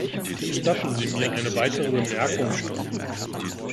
Gestatten Sie mir eine weitere Bemerkung.